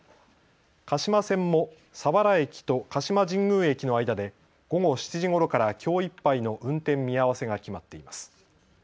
鹿島線も佐原駅と鹿島神宮駅の間で午後７時ごろからきょういっぱいの運転見合わせが決まっています。